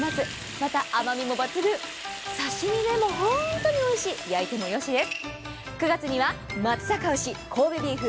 また甘みも抜群、刺身でも本当においしい、焼いてもよしです。